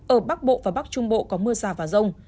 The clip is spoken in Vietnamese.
ở bắc bộ và bắc trung bộ có mưa rào và rông